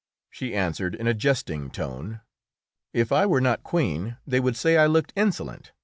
She answered in a jesting tone, "If I were not Queen they would say I looked insolent, would they not?"